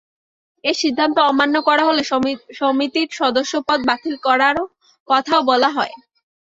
এ সিদ্ধান্ত অমান্য করা হলে সমিতির সদস্যপদ বাতিল করার কথাও বলা হয়।